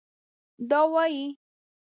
دا وايي